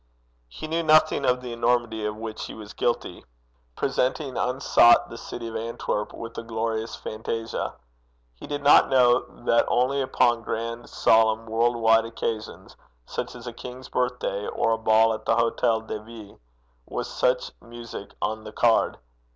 He knew nothing of the enormity of which he was guilty presenting unsought the city of Antwerp with a glorious phantasia. He did not know that only upon grand, solemn, world wide occasions, such as a king's birthday or a ball at the Hôtel de Ville, was such music on the card.